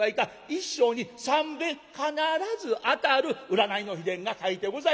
『一生に３べん必ず当たる占いの秘伝が書いてございました』。